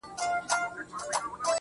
څوک وایي گران دی، څوک وای آسان دی.